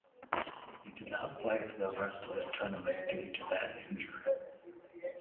He did not play for the rest of the tournament due to that injury.